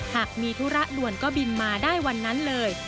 หากมีธุระด่วนก็บินมาได้วันนั้นเลย